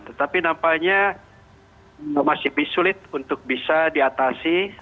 tetapi nampaknya masih sulit untuk bisa diatasi